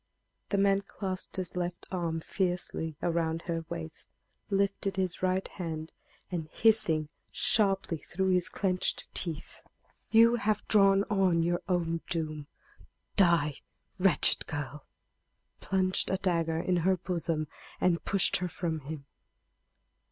The man clasped his left arm fiercely around her waist, lifted his right hand, and, hissing sharply through his clenched teeth: "You have drawn on your own doom die, wretched girl!" plunged a dagger in her bosom, and pushed her from him.